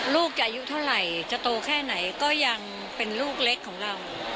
ลูกจะอายุเท่าไหร่จะโตแค่ไหนก็ยังเป็นลูกเล็กของเรา